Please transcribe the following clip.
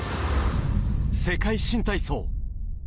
世界新体操。